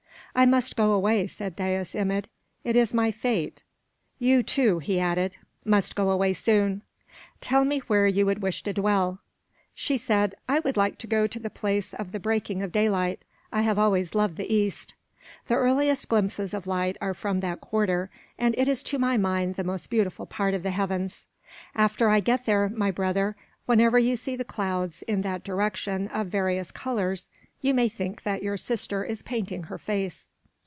"I must go away," said Dais Imid, "it is my fate. You, too," he added, "must go away soon. Tell me where you would wish to dwell." She said, "I would like to go to the place of the breaking of daylight. I have always loved the East. The earliest glimpses of light are from that quarter, and it is to my mind the most beautiful part of the heavens. After I get there, my brother, whenever you see the clouds, in that direction, of various colors, you may think that your sister is painting her face."